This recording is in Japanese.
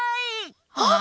あっ！